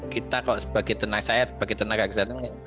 kita kalau sebagai tenaga kesehatan